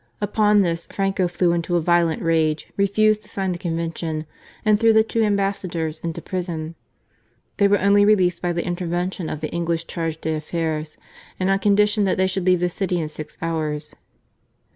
Upon this Franco flew into a violent rage, refused to sign the convention, and threw the two ambassadors into prison. They were only released by the intervention of the English Charg6 d' Affaires, and on condition that they should leave the city in six hours.